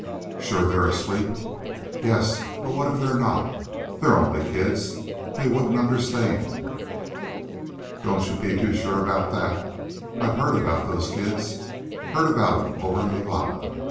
"Sure they're asleep?" "Yes, but what if they're not? They are only kids. They wouldn't understand." "Don't you be too sure about that. I've heard about those kids. Heard about 'em over in Nevada.